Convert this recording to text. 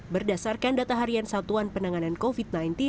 berdasarkan data harian satuan penanganan covid sembilan belas